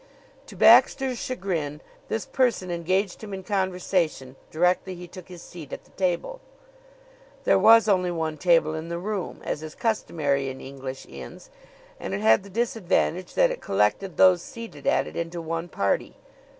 To Baxter's chagrin, this person engaged him in conversation directly he took his seat at the table. There was only one table in the room, as is customary in English inns, and it had the disadvantage that it collected those seated at it into one party.